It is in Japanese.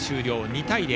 ２対０。